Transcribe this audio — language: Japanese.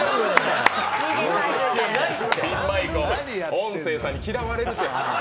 音声さんに嫌われるって。